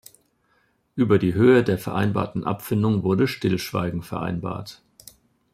Über die Höhe der vereinbarten Abfindung wurde Stillschweigen vereinbart.